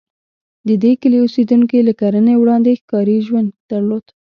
د دې کلي اوسېدونکي له کرنې وړاندې ښکاري ژوند درلود.